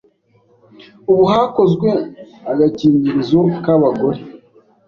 ubu hakozwe agakingirizo k’abagore